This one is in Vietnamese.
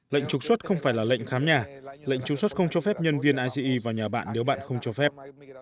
lệnh trục xuất không phải là lệnh khám nhà lệnh trục xuất không cho phép nhân viên ice vào nhà bạn nếu bạn không cho phép